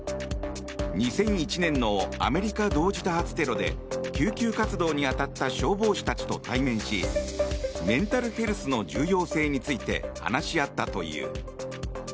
２００１年のアメリカ同時多発テロで救急活動に当たった消防士たちと対面しメンタルヘルスの重要性について話し合ったという。